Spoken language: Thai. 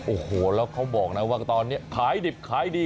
โอ้โหแล้วเขาบอกนะว่าตอนนี้ขายดิบขายดี